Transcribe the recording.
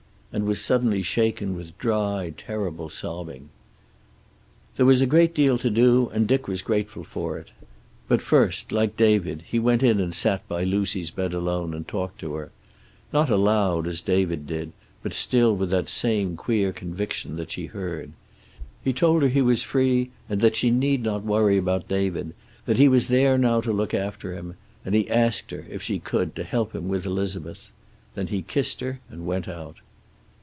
And was suddenly shaken with dry, terrible sobbing. There was a great deal to do, and Dick was grateful for it. But first, like David, he went in and sat by Lucy's bed alone and talked to her. Not aloud, as David did, but still with that same queer conviction that she heard. He told her he was free, and that she need not worry about David, that he was there now to look after him; and he asked her, if she could, to help him with Elizabeth. Then he kissed her and went out.